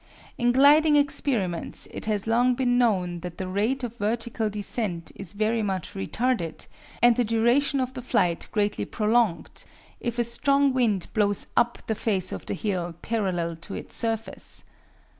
In gliding experiments it has long been known that the rate of vertical descent is very much retarded, and the duration of the flight greatly prolonged, if a strong wind blows up the face of the hill parallel to its surface.